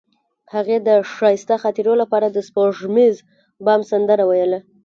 هغې د ښایسته خاطرو لپاره د سپوږمیز بام سندره ویله.